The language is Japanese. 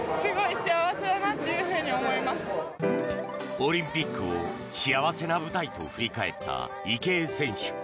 オリンピックを幸せな舞台と振り返った池江選手。